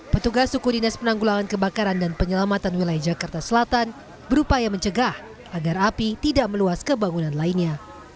petugas suku dinas penanggulangan kebakaran dan penyelamatan wilayah jakarta selatan berupaya mencegah agar api tidak meluas ke bangunan lainnya